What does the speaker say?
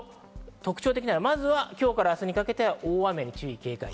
特徴的なのは、まず今日から明日にかけては大雨に警戒。